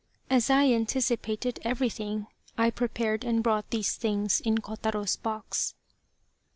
" As I anticipated everything, I prepared and brought these things in Kotaro's box."